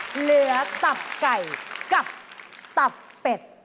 เหลือตับไก่กับตับเป็ด